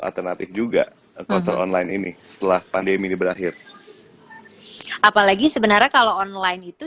alternatif juga kontrol online ini setelah pandemi ini berakhir apalagi sebenarnya kalau online itu